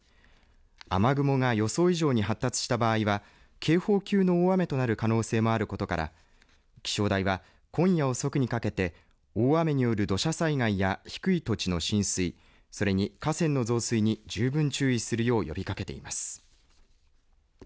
雨雲が予想以上に発達した場合は警報級の大雨となる可能性もあることから気象台は、今夜遅くにかけて大雨による土砂災害や低い土地の浸水それに河川の増水に十分注意するよう呼びかけています。